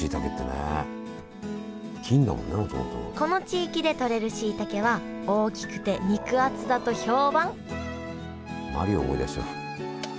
この地域でとれるしいたけは大きくて肉厚だと評判マリオ思い出しちゃう。